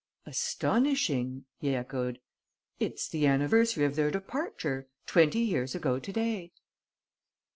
"Astonishing," he echoed. "It's the anniversary of their departure ... twenty years ago to day."